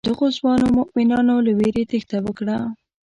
دغو ځوانو مومنانو له وېرې تېښته وکړه.